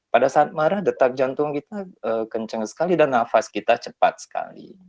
pada saat marah detak jantung kita kencang sekali dan nafas kita cepat sekali